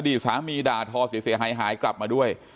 ดีสามีด่าทอเสียหายหายกลับมาด้วย